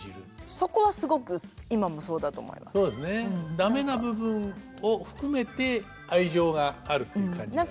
駄目な部分を含めて愛情があるっていう感じが。